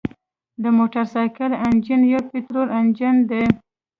د موټرسایکل انجن یو پطرولي انجن دی.